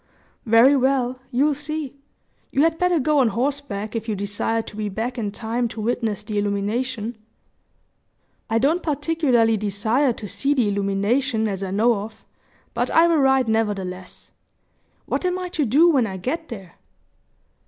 "Very well you'll see. You had better go on horseback, if you desire to be back in time to witness the illumination." "I don't particularly desire to see the illumination, as I know of; but I will ride, nevertheless. What am I to do when I get there?"